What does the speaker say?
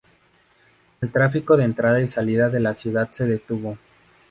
El tráfico de entrada y salida de la ciudad se detuvo.